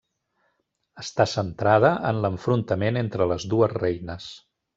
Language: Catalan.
Està centrada en l'enfrontament entre les dues reines.